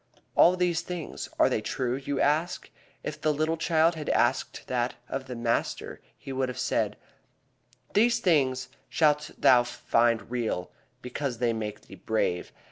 All these things, are they true, you ask? If the little child had asked that of the master he would have said: "These things shalt thou find real because they make thee brave.